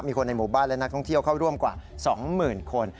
คนในหมู่บ้านและนักท่องเที่ยวเข้าร่วมกว่า๒๐๐๐คน